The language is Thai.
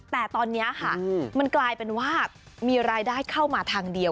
แต่ตอนนี้ค่ะมันกลายเป็นว่ามีรายได้เข้ามาทางเดียว